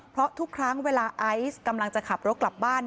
เพราะทุกครั้งเวลาไอซ์กำลังจะขับรถกลับบ้าน